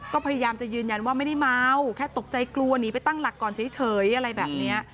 ก็พยายามจะยืนยันว่าไม่ได้เมาแค่ตกใจกลัวหนีไปตั้งหลักก่อนเฉยอะไรแบบนี้